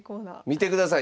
見てください